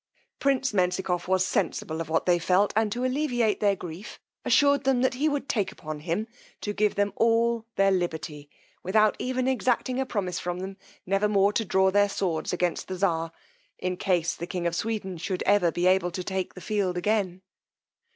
Prince Menzikoff was sensible of what they felt, and to alleviate their grief, assured them that he would take upon him to give them all their liberty, without even exacting a promise from them never more to draw their swords against the czar, in case the king of Sweden should ever be able to take the field again.